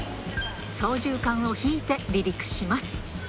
操縦かんを引いて離陸します。